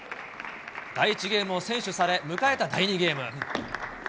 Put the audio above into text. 第１ゲームを先取され、迎えた第２ゲーム。